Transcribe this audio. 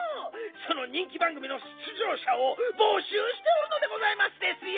その人気ばんぐみの出じょうしゃをぼしゅうしておるのでございますですよ！